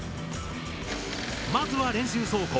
まずは練習走行。